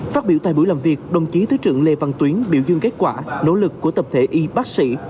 phát biểu tại buổi làm việc đồng chí thứ trưởng lê văn tuyến biểu dương kết quả nỗ lực của tập thể y bác sĩ